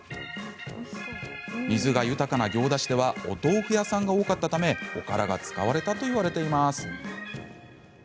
水が豊かな行田市ではお豆腐屋さんが多かったためおからが使われたといわれています。